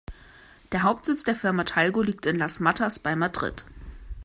Der Hauptsitz der Firma Talgo liegt in Las Matas bei Madrid.